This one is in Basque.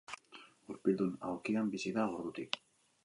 Gurpildun aulkian bizi da ordutik.